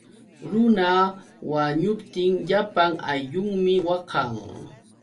Runa wañuptin llapan ayllunmi waqan.